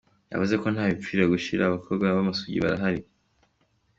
Yavuze ko nta bapfira gushira, abakobwa b’amasugi bahari.